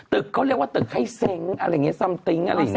เขาเรียกว่าตึกให้เซ้งอะไรอย่างนี้ซัมติ๊งอะไรอย่างนี้